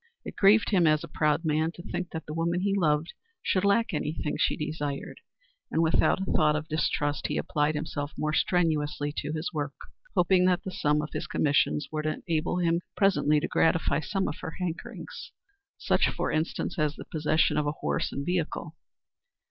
It grieved him as a proud man to think that the woman he loved should lack any thing she desired, and without a thought of distrust he applied himself more strenuously to his work, hoping that the sum of his commissions would enable him presently to gratify some of her hankerings such, for instance, as the possession of a horse and vehicle.